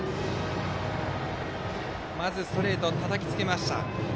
まずストレートたたきつけました。